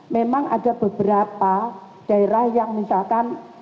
memang ada beberapa daerah yang misalkan